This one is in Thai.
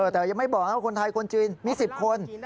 แต่ยังไม่บอกนะว่าคนไทยคนจีนมี๑๐คน